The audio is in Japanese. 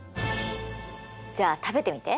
じゃあ食べてみて。